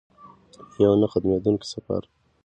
یو نه ختمیدونکی سفر.